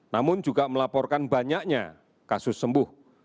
namun juga melaporkan banyaknya kasus sembuh